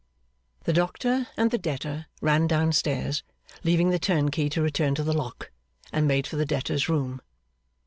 The doctor and the debtor ran down stairs, leaving the turnkey to return to the lock, and made for the debtor's room.